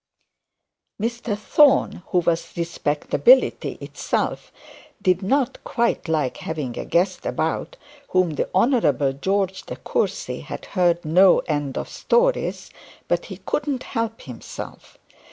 Mr Thorne who was respectability itself, did not quite like having a guest about whom the Honourable John De Courcy had heard no end of stories; but he couldn't help himself.